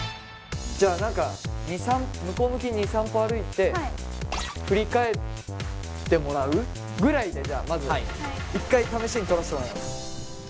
じゃあ何か向こう向きに２３歩歩いて振り返ってもらうぐらいでじゃあまず一回試しに撮らしてもらいます。